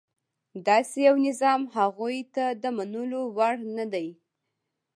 داسې یو نظام هغوی ته د منلو وړ نه دی.